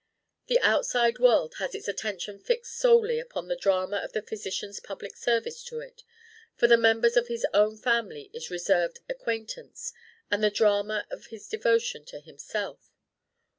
The outside world has its attention fixed solely upon the drama of the physician's public service to it; for the members of his own family is reserved acquaintance with the drama of his devotion to himself.